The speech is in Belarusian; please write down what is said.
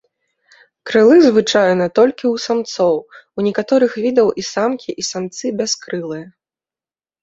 Крылы звычайна толькі ў самцоў, у некаторых відаў і самкі, і самцы бяскрылыя.